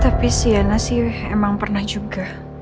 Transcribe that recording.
tapi siana sih emang pernah juga